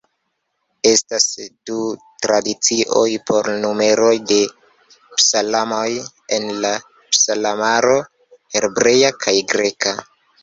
Estas du tradicioj por numeroj de psalmoj en la psalmaro: hebrea kaj greka.